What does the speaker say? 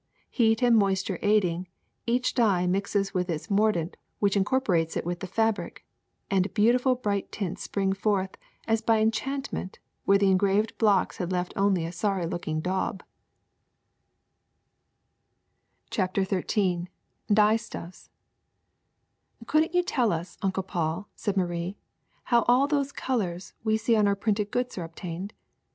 Heat and moisture aiding, each dye mixes with its mordant, which in corporates it with the fabric, and beautiful bright tints spring forth as by enchantment where the en graved blocks had left only a sorry looking daub, '' CHAPTER XIII (( c DYESTUFFS OULDX'T you tell us, Uncle Paul/^ said Marie, *'how all those colors we see on printed goods are obtained?